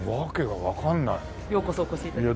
ようこそお越し頂きまして。